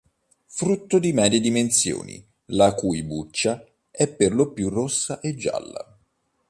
Frutto di medie dimensioni la cui buccia è per lo più rossa e gialla.